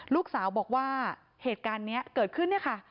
ลูกสาวบอกว่าเหตุการณ์นี้เกิดขึ้นเนี่ยค่ะ